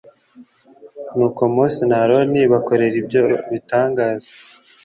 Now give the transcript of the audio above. nuko mose na aroni bakorera ibyo bitangaza